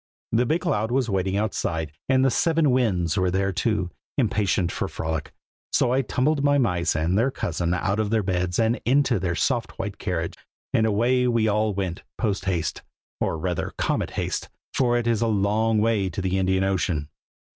The big cloud was waiting outside, and the seven Winds were there, too, impatient for a frolic; so I tumbled my mice and their cousin mouse out of their beds and into their soft white carriage, and away we all went post haste, or rather comet haste, for it is a long way to the Indian Ocean.